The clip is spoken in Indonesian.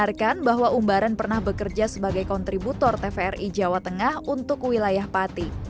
benarkan bahwa umbaran pernah bekerja sebagai kontributor tvri jawa tengah untuk wilayah pati